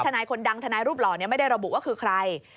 ทนายคนดังทนายรูปหล่อไม่ได้ระบุว่าคือใคร